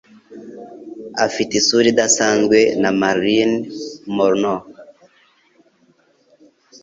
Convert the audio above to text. Afite isura idasanzwe na Marilyn Monroe